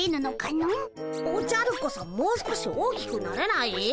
おじゃるこそもう少し大きくなれない？